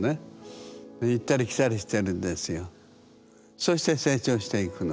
そして成長していくの。